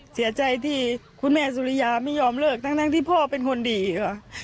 เสียใจที่คุณแม่สุริยาไม่ยอมเลิกทั้งที่พ่อเป็นคนดีค่ะ